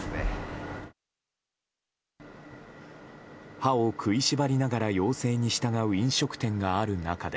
歯を食いしばりながら要請に従う飲食店がある中で。